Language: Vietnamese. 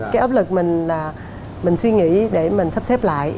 cái áp lực mình là mình suy nghĩ để mình sắp xếp lại